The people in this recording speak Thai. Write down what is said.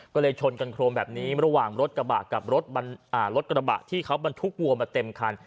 ก็เลยชนกันโครมแบบนี้ระหว่างรถกระบะกับรถกระบะที่เขาบรรทุกวัวมาเต็มคัน